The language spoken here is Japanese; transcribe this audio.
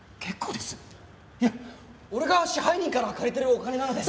いや俺が支配人から借りてるお金なので。